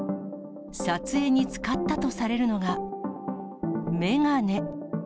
撮影に使ったとされるのが、眼鏡。